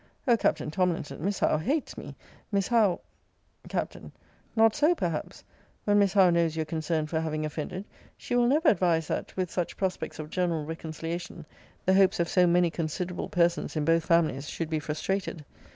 O Captain Tomlinson, Miss Howe hates me! Miss Howe Capt. Not so, perhaps when Miss Howe knows your concern for having offended, she will never advise that, with such prospects of general reconciliation, the hopes of so many considerable persons in both families should be frustrated.